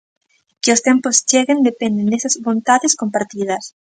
Que os tempos cheguen depende desas vontades compartidas.